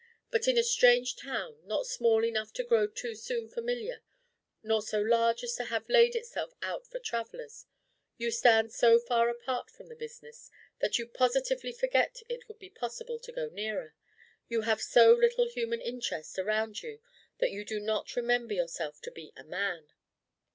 But in a strange town, not small enough to grow too soon familiar, nor so large as to have laid itself out for travellers, you stand so far apart from the business, that you positively forget it would be possible to go nearer; you have so little human interest around you, that you do not remember yourself to be a man.